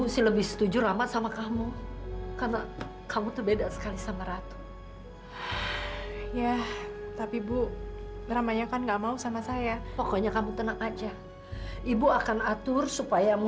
sampai jumpa di video selanjutnya